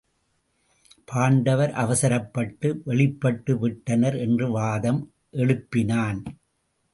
பாண்டவர் அவசரப்பட்டு வெளிப்பட்டு விட்டனர் என்று வாதம் எழுப்பினான்.